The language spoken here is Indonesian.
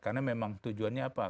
karena memang tujuannya apa